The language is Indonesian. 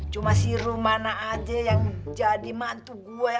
cuma si rumana aja yang jadi mantu gua ya